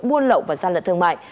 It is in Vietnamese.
buôn lậu và gian lận thương mại